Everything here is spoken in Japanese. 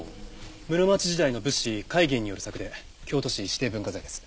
室町時代の仏師快玄による作で京都市指定文化財です。